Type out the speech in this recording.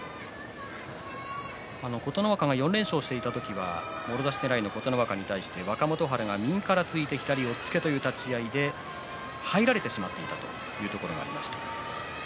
琴ノ若は４連勝していた時はもろ差しねらいの琴ノ若に対して若元春が右腹突いて左を押っつけるという立ち合いで入られてしまうということがありました。